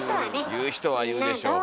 言う人は言うでしょうから。